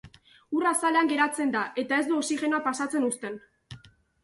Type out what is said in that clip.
Ur azalean geratzen da, eta ez du oxigenoa pasatzen uzten.